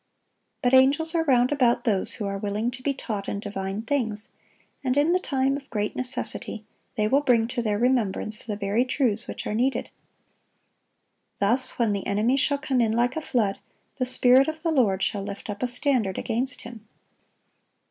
But angels are round about those who are willing to be taught in divine things; and in the time of great necessity, they will bring to their remembrance the very truths which are needed. Thus "when the enemy shall come in like a flood, the Spirit of the Lord shall lift up a standard against him."